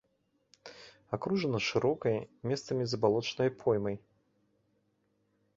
Акружана шырокай, месцамі забалочанай поймай.